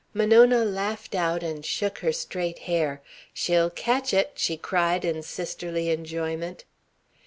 Monona laughed out and shook her straight hair. "She'll catch it!" she cried in sisterly enjoyment.